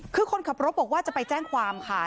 คือคนขับรถบอกว่าจะไปแจ้งความค่ะ